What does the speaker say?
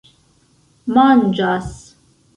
manĝas